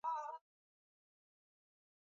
Haishauriwi kuweka samadi baada ya kupanda mazao